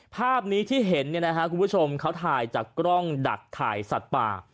ภาพนี้ที่เห็นคุณผู้ชมเขาถ่ายจากกล้องดักถ่ายสัตว์ป่า